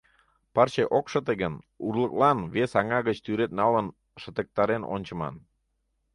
Пырче ок шыте гын, урлыклан вес аҥа гыч тӱред налын, шытыктарен ончыман.